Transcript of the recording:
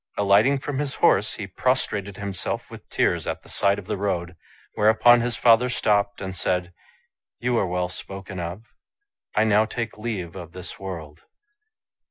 Alighting from his horse, he prostrated himself with tears at the side of the road; whereupon his father stopped and said, " You are well spoken of. I now take leave of this world."